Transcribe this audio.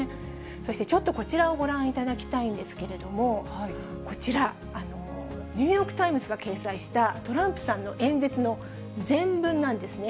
そしてちょっとこちらをご覧いただきたいんですけれども、こちら、ニューヨークタイムズが掲載したトランプさんの演説の全文なんですね。